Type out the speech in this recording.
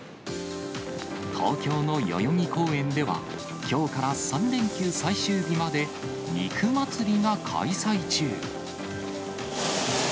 東京の代々木公園では、きょうから３連休最終日まで、肉祭が開催中。